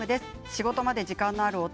仕事まで時間のある夫。